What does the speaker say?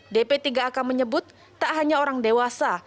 dp tiga ak menyebut tak hanya orang dewasa